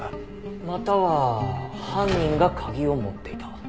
または犯人が鍵を持っていた。